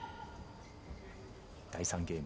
第３ゲーム。